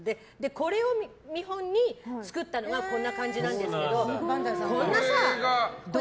これを見本に作ったのがこんな感じなんですけど。